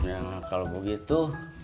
ya kalau begitu